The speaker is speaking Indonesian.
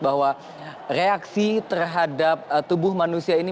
bahwa reaksi terhadap tubuh manusia ini